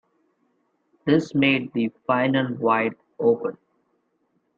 This made the final wide open.